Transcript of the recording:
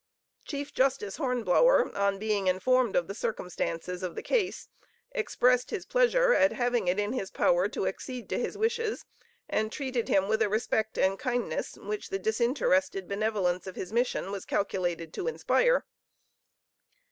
Chief Justice Hornblower, on being informed of the circumstances of the case, expressed his pleasure at having it in his power to accede to his wishes and treated him with a respect and kindness which the disinterested benevolence of his mission was calculated to inspire.